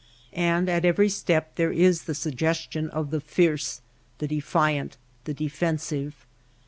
And at every step there is the suggestion of the fierce, the defiant, the defensive.